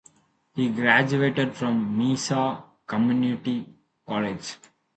He graduated from Mesa Community College.